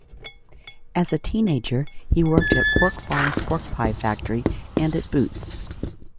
As a teenager he worked at Pork Farms pork pie factory and at Boots.